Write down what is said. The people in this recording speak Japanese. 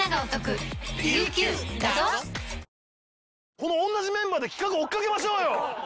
この同じメンバーで企画追っかけましょうよ！